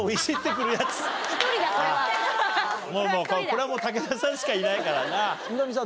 これはもう武田さんしかいないからな。